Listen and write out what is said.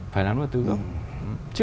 phải làm nó là tư gốc